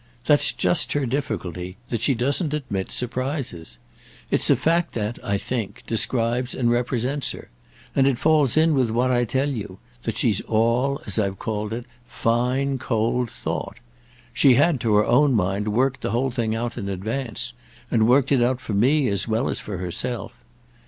"That's just her difficulty—that she doesn't admit surprises. It's a fact that, I think, describes and represents her; and it falls in with what I tell you—that she's all, as I've called it, fine cold thought. She had, to her own mind, worked the whole thing out in advance, and worked it out for me as well as for herself.